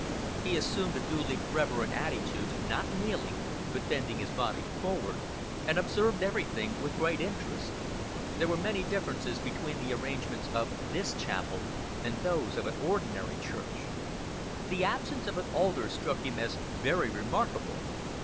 He assumed a duly reverent attitude, not kneeling, but bending his body forward, and observed everything with great interest. There were many differences between the arrangements of this chapel and those of an ordinary church. The absence of an altar struck him as very remarkable.